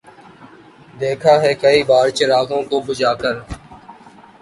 دیکھا ہے کئی بار چراغوں کو بجھا کر